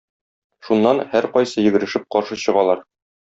Шуннан һәркайсы йөгерешеп каршы чыгалар.